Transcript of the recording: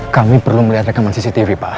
kami perlu melihat rekaman cctv pak